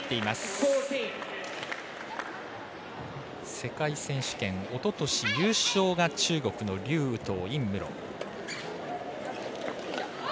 世界選手権おととし優勝が中国の劉禹とう、尹夢ろ。